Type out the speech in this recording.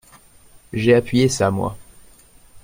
J’ai appuyé ça, moi…